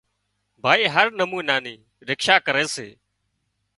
ڀائي هر نمونا نِي رکشا ڪري سي